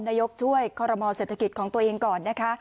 ช่วยคอรมอเศรษฐกิจของตัวเองก่อนนะคะ